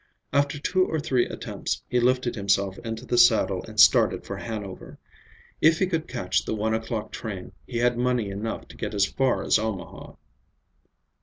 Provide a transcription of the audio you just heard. After two or three attempts, he lifted himself into the saddle and started for Hanover. If he could catch the one o'clock train, he had money enough to get as far as Omaha.